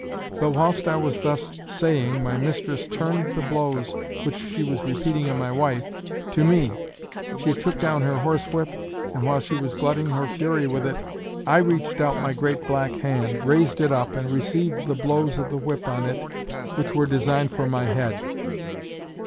But whilst I was thus saying my mistress turned the blows which she was repeating on my wife to me. She took down her horse whip, and while she was glutting her fury with it, I reached out my great black hand, raised it up and received the blows of the whip on it which were designed for my head.